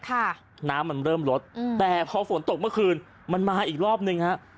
ค่ะน้ำมันเริ่มลดอืมแต่พอฝนตกเมื่อคืนมันมาอีกรอบหนึ่งฮะ